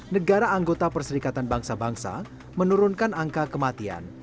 negara anggota perserikatan bangsa bangsa menurunkan angka kematian